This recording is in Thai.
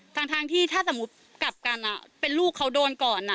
ทั้งที่ถ้าสมมุติกลับกันเป็นลูกเขาโดนก่อน